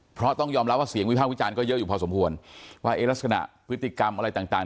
เพราะต้องยอมรับว่าเสียงวิภาควิจารณ์ก็เยอะอยู่พอสมควรว่าเอ๊ะลักษณะพฤติกรรมอะไรต่างต่าง